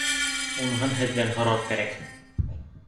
Уныһын һеҙҙән һорар кәрәк!